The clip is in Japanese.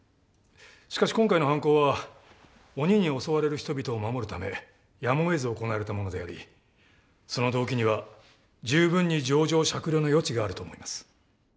しかし今回の犯行は鬼に襲われる人々を守るためやむをえず行われたものでありその動機には十分に情状酌量の余地があると思います。